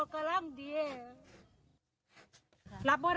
ครับ